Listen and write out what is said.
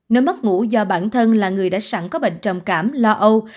nếu mất ngủ do bản thân là người đã sẵn có bệnh trầm cảm lo âu